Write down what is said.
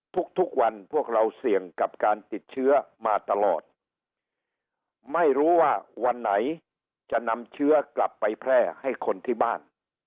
ทุกวันพวกเราเสี่ยงกับการติดเชื้อมาตลอดไม่รู้ว่าวันไหนจะนำเชื้อกลับไปแพร่ให้คนที่บ้าน